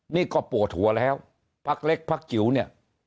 นี่ก็ปวดหัวแล้วพักเล็กพักจิ๋วเนี่ย